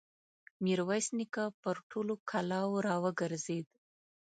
ميرويس نيکه پر ټولو کلاوو را وګرځېد.